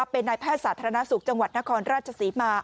เป็นนายแพทย์สาธารณสุขจังหวัดนครราชศรีมา